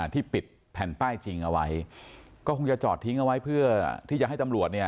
ที่ปิดแผ่นป้ายจริงเอาไว้ก็คงจะจอดทิ้งเอาไว้เพื่อที่จะให้ตำรวจเนี่ย